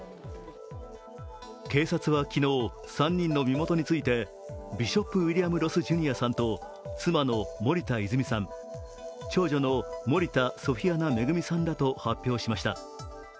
警察は昨日、３人の身元についてビショップ・ウィリアム・ロス・ジュニアさんと妻の森田泉さん、長女の森田ソフィアナ恵さんと発表しました。